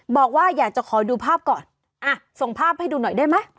บอกว่าอยากจะขอดูภาพก่อนอ่ะส่งภาพให้ดูหน่อยได้ไหม